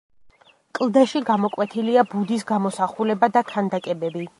კლდეში გამოკვეთილია ბუდის გამოსახულება და ქანდაკებები.